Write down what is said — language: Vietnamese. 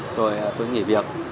rồi tôi nghỉ việc